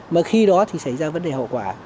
mà khi đó thì xảy ra vấn đề hậu quả